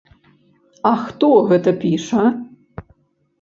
А хто гэта піша?